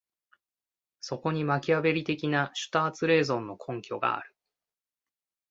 そこにマキァヴェリ的なシュターツ・レーゾンの根拠がある。